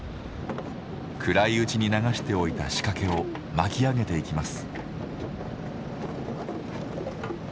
暗いうちに流しておいた仕掛けを巻き上げていきます。